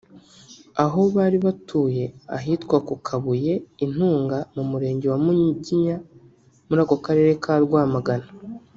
aho bari batuye ahitwa ku kabuye I ntunga mu murenge wa Munyiginya muri aka karere ka Rwamagana